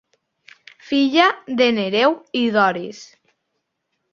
Filla de Nereu i Doris.